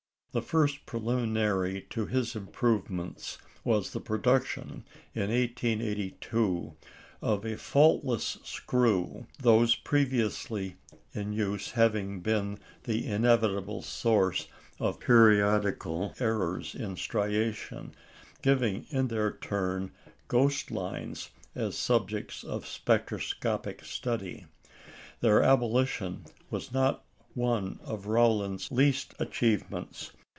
The first preliminary to his improvements was the production, in 1882, of a faultless screw, those previously in use having been the inevitable source of periodical errors in striation, giving, in their turn, ghost lines as subjects of spectroscopic study. Their abolition was not one of Rowland's least achievements.